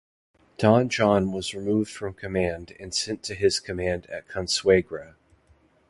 Don John was removed from command and sent to his command at Consuegra.